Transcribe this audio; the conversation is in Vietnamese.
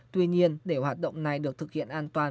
tuy nhiên để hoạt động này được thực hiện an toàn